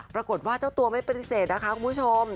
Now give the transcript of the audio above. ปรากฏว่าเจ้าตัวไม่ปฏิเสธนะคะคุณผู้ชม